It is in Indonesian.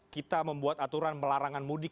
kita membuat aturan melarangan mudik